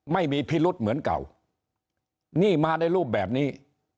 ไม่มีพิรุษเหมือนเก่านี่มาในรูปแบบนี้